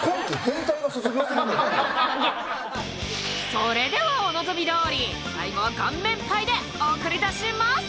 それではお望み通り最後は顔面パイで送り出します！